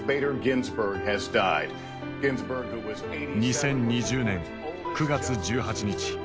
２０２０年９月１８日。